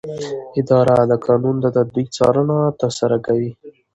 اداره د قانون د تطبیق څارنه ترسره کوي.